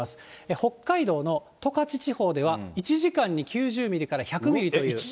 北海道の十勝地方では１時間に９０ミリから１００ミリという。